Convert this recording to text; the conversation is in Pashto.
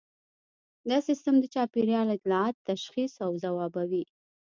دا سیستم د چاپیریال اطلاعات تشخیص او ځوابوي